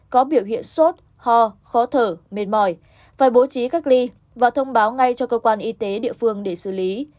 có biểu hiện sốt ho khó thở mệt mỏi phải bố trí cách ly và thông báo ngay cho cơ quan y tế địa phương để xử lý